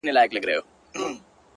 • په خزان او په بهار کي بیرته تله دي ,